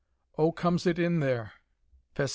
O, comes it in there. "Fast.